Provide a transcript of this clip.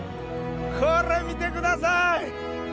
これ見てください。